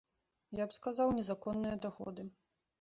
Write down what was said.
Я б сказаў, незаконныя даходы.